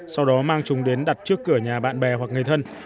sau đó mang chúng đến đặt trước cửa nhà bạn bè hoặc người thân